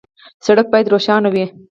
سړک باید روښانه وي.